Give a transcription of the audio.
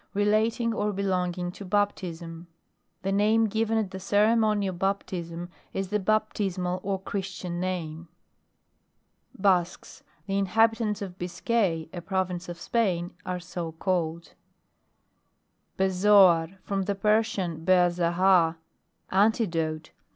Rdaung, or belonging to baptism. The name given at the ceremony of baptism, is the baptismal or chri. tian name. BASQUES. The inhabitants of Biscay, a province of Spain, are so called. BEZOAR. From the Persian beazahar, antidote.